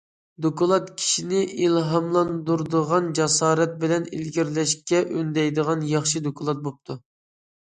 دوكلات كىشىنى ئىلھاملاندۇرىدىغان، جاسارەت بىلەن ئىلگىرىلەشكە ئۈندەيدىغان ياخشى دوكلات بوپتۇ.